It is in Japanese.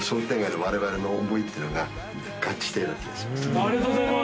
ありがとうございます！